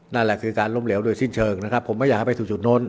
นั่นแหละคือการล้มเหลวโดยสิ้นเชิงนะครับผมไม่อยากให้ไปสู่จุดโน้น